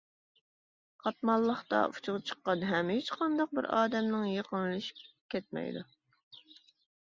قاتماللىقتا ئۇچىغا چىققان ھەم ھېچقانداق بىر ئادەمنىڭ يېقىنلىشىپ كەتمەيدۇ.